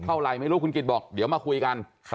เข้าไหลไม่รู้คุณกริจบอกเดี๋ยวมาคุยกัน